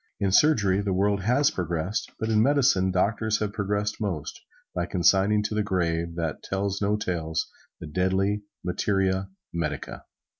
In surgery the world has progressed, but in medicine, doctors have progressed most, by consigning to the grave, that tells no tales, the deadly materia medica.